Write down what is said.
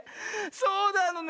そうなのね。